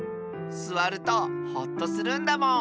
すわるとほっとするんだもん。